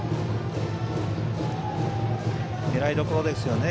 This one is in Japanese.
狙いどころですよね。